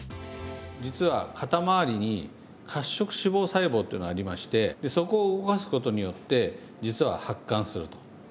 実は肩周りに「褐色脂肪細胞」っていうのがありましてそこを動かすことによって実は発汗すると。